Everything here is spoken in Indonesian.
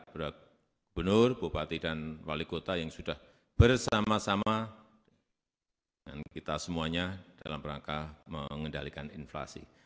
bapak ibu nur bupati dan wali kota yang sudah bersama sama dengan kita semuanya dalam rangka mengendalikan inflasi